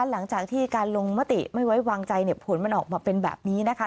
หลังจากที่การลงมติไม่ไว้วางใจเนี่ยผลมันออกมาเป็นแบบนี้นะคะ